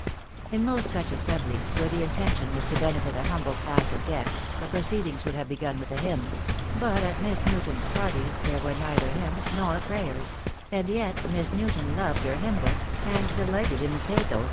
In most such assemblies where the intention was to benefit a humble class of guests, the proceedings would have begun with a hymn; but at Miss Newton's parties there were neither hymns nor prayers — and yet Miss Newton loved her hymn book, and delighted in the pathos THE DAY WILL COME.